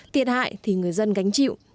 tiệt hại thì người dân gánh chịu